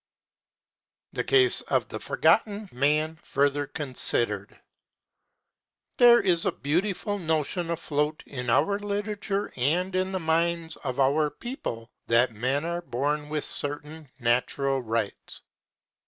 THE CASE OF THE FORGOTTEN MAN FARTHER CONSIDERED. There is a beautiful notion afloat in our literature and in the minds of our people that men are born to certain "natural rights."